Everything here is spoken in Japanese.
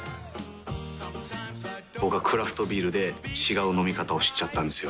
僕はクラフトビールで違う飲み方を知っちゃったんですよ。